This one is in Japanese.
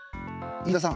飯塚さん